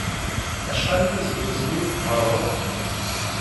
Acḥal aya seg asmi i teqqaṛeḍ?